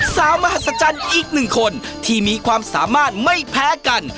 มหัศจรรย์อีกหนึ่งคนที่มีความสามารถไม่แพ้กัน